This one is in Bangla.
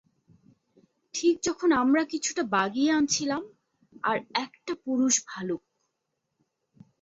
ঠিক যখন আমরা কিছুটা বাগিয়ে আনছিলাম, আর একটা পুরুষ ভালুক।